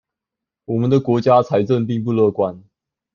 我們國家的財政並不樂觀